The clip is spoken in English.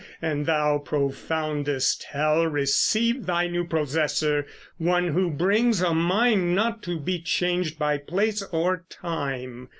and thou, profoundest Hell, Receive thy new possessor one who brings A mind not to be changed by place or time.